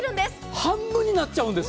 半分になっちゃうんです。